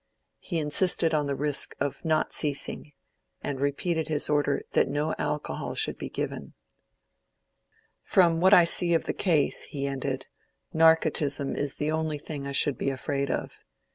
He insisted on the risk of not ceasing; and repeated his order that no alcohol should be given. "From what I see of the case," he ended, "narcotism is the only thing I should be much afraid of.